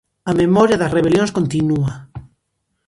A memoria das rebelións continúa.